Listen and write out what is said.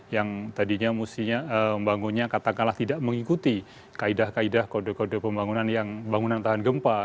yang tadinya mustinya membangunnya katakanlah tidak mengikuti kaedah kaedah kode kode pembangunan yang bangunan tahan gempa